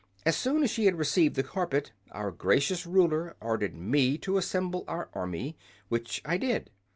As soon as she had received the carpet our gracious Ruler ordered me to assemble our army, which I did.